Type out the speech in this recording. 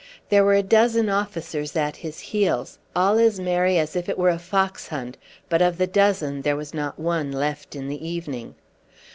There were a dozen officers at his heels, all as merry as if it were a foxhunt, but of the dozen there was not one left in the evening.